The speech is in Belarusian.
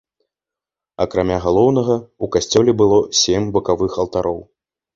Акрамя галоўнага, у касцёле было сем бакавых алтароў.